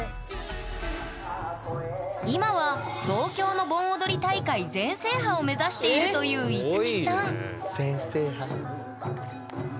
今は東京の盆踊り大会全制覇を目指しているという樹さん全制覇だ。